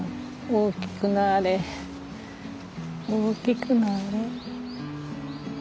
「大きくなれ大きくなれ」